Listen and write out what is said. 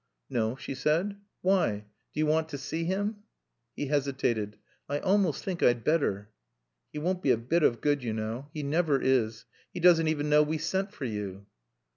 "No," she said. "Why? Do you want to see him?" He hesitated. "I almost think I'd better." "He won't be a bit of good, you know. He never is. He doesn't even know we sent for you."